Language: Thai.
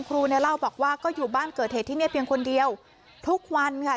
ครูเนี่ยเล่าบอกว่าก็อยู่บ้านเกิดเหตุที่นี่เพียงคนเดียวทุกวันค่ะ